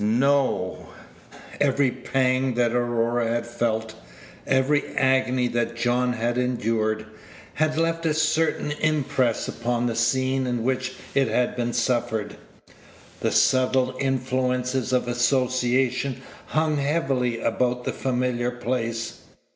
No; every pang that Aurora had felt, every agony that John had endured, had left a certain impress upon the scene in which it had been suffered. The subtle influences of association hung heavily about the familiar place.